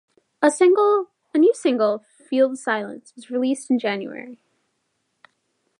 A new single "Feel the Silence" was released in January.